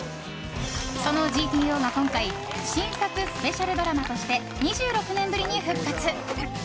その「ＧＴＯ」が、今回新作スペシャルドラマとして２６年ぶりに復活。